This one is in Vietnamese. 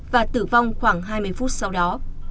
và tử vong khoảng hai mươi phút sau đó